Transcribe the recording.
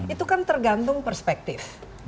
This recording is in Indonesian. itu kan tergantung perspektif